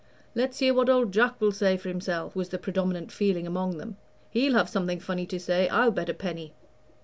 "Let's hear what old Jack will say for himself," was the predominant feeling among them; "he'll have something funny to say, I'll bet a penny."